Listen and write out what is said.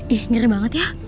ih ngeri banget ya